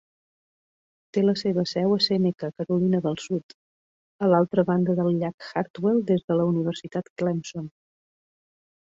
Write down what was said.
Té la seva seu a Seneca, Carolina del Sud, a l'altra banda del llac Hartwell des de la Universitat Clemson.